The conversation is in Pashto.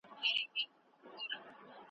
زموږ پر درد یې ګاونډي دي خندولي `